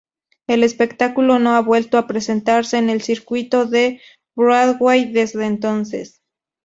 El espectáculo no ha vuelto a representarse en el Circuito de Broadway desde entonces.